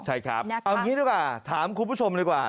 ใช่ครับเอางี้ดีกว่าถามคุณผู้ชมดีกว่า